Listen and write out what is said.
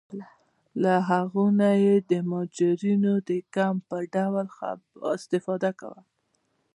له هغو نه یې د مهاجرینو د کمپ په ډول استفاده کوله.